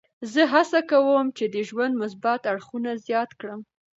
زه هڅه کوم چې د ژوند مثبت اړخونه زیات کړم.